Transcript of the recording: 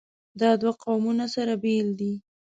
دا دوه قومونه سره بېل دي.